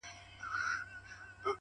اخلاص د اړیکو ریښتینی بنسټ جوړوي’